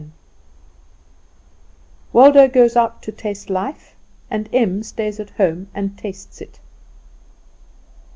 VII. Waldo Goes Out to Taste Life, and Em Stays At Home and Tastes It.